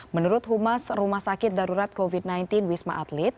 menurut humas rumah sakit darurat covid sembilan belas wisma atlet